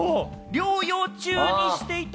療養中にしていた。